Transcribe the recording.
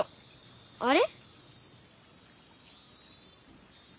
あれ？